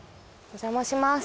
お邪魔します。